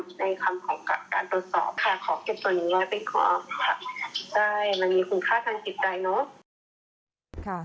ใช่เหมือนมีคุณค่าทางจิตใจเนอะ